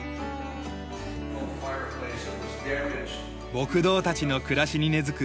牧童たちの暮らしに根付く